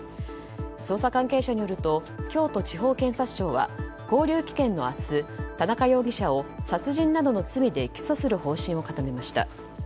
捜査関係者によると京都地方検察庁は勾留期限の明日、田中容疑者を殺人などの罪で起訴する方針を固めました。